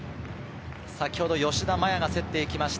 先ほど吉田麻也が競っていきました。